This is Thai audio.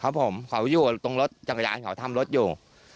ครับผมเขาอยู่ตรงรถจักรยานเขาทำรถอยู่